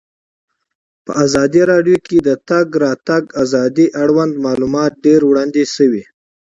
په ازادي راډیو کې د د تګ راتګ ازادي اړوند معلومات ډېر وړاندې شوي.